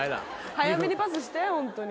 早めにパスしてホントに。